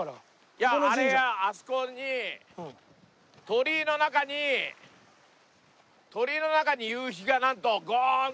いやあれはあそこに鳥居の中に鳥居の中に夕日がなんとゴーンと。